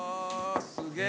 すげえ。